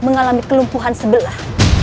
mengalami kelumpuhan sebelah